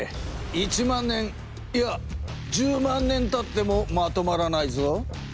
１万年いや１０万年たってもまとまらないぞ。